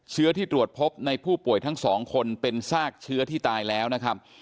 เชื้อที่ตรวจพบในผู้ป่วยทั้งสองคนเป็นซากเชื้อที่ตายแล้วนะครับ